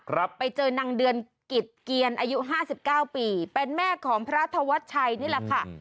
ครับไปเจอนางเดือนกิจเกียรอายุห้าสิบเก้าปีเป็นแม่ของพระธวัชชัยนี่แหละค่ะ